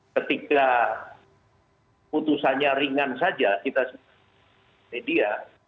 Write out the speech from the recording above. ketika putusannya ringan saja kita sebut media